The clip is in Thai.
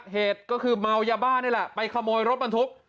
เหตุก็คือเมายาบ้านี่แหละไปขโมยรถบรรทุก